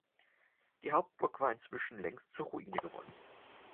Die Hauptburg war inzwischen längst zur Ruine geworden.